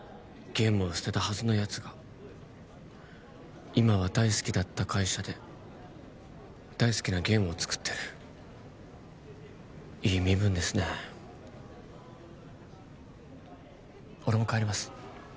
ゲームを捨てたはずのやつが今は大好きだった会社で大好きなゲームを作ってるいい身分ですね俺も帰ります